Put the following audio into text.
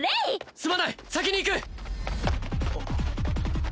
すまない先に行く！